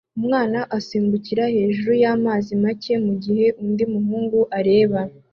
Umwana asimbukira hejuru y'amazi make mugihe undi muhungu areba